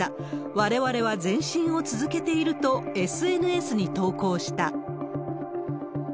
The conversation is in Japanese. われわれは前進を続けているとＳＮＳに投降した。